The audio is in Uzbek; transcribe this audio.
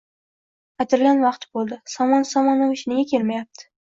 Aytilgan vaqt bo`ldi, Somon Somonovich nega kelmayapti